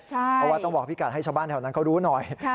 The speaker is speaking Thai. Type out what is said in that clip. เพราะว่าต้องบอกพี่กัดให้ชาวบ้านแถวนั้นเขารู้หน่อย